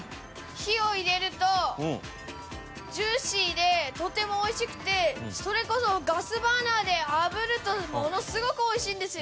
火を入れるとジューシーでとてもおいしくてそれこそガスバーナーで炙るとものすごくおいしいんですよ。